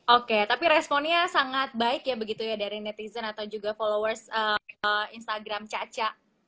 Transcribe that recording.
oke tapi responnya sangat baik ya begitu ya dari netizen atau juga followers instagram caca